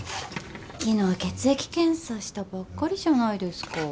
昨日血液検査したばっかりじゃないですか。